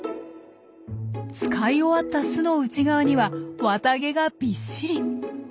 使い終わった巣の内側には綿毛がびっしり。